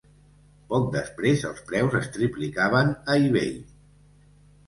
Poc després, els preus es triplicaven a eBay.